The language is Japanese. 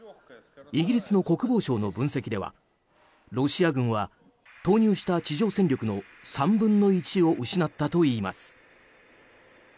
イギリスの国防省の分析ではロシア軍は投入した地上戦力の３分の１を失ったといいます。